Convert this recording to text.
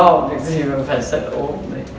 được gì mà phải sợ ốm